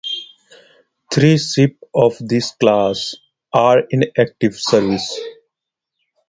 Three ships of this class are in active service.